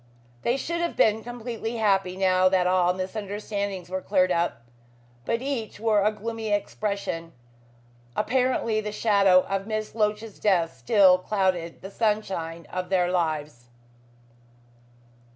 They should have been completely happy now that all misunderstandings were cleared up, but each wore a gloomy expression. Apparently the shadow of Miss Loach's death still clouded the sunshine of their lives.